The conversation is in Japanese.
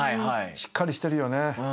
しっかりしてるよね。